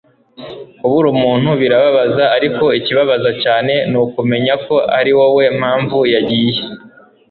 kubura umuntu birababaza, ariko ikibabaza cyane ni ukumenya ko ari wowe mpamvu yagiye